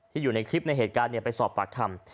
ที่อยู่ในคลิปในเหตุการณ์เนี่ยไปสอบปรักษ์คำ